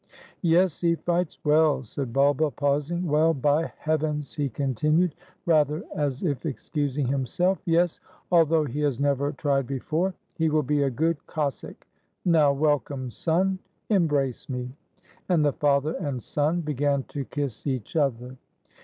"Yes, he fights well," said Bulba, pausing; "well, by Si RUSSIA Heavens!" he continued, rather as if excusing himself, — "yes, although he has never tried before. He will be a good Cossack! Now, welcome, son! embrace me"; and the father and son began to kiss each other.